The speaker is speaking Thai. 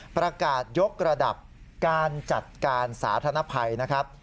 ประกาศยกระดับการจัดการสาธารณภัยนะครับ